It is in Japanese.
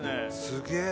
すげえ！